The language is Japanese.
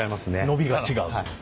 伸びが違う。